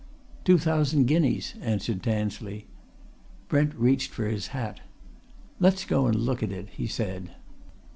"Two thousand guineas," answered Tansley. Brent reached for his hat. "Let's go and look at it," he said.